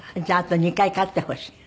じゃああと２回勝ってほしい？